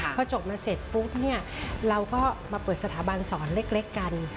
พอจบมาเสร็จปุ๊บเนี่ยเราก็มาเปิดสถาบันสอนเล็กกัน